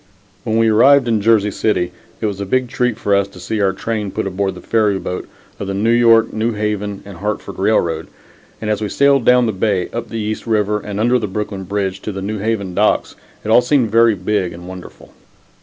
When we arrived in Jersey City it was a treat for us to see our train put aboard the ferry boat of the N. Y., N. H. & H. R. R., and, as we sailed down the bay, up the East River and under the Brooklyn Bridge to the New Haven docks, it all seemed very big and wonderful.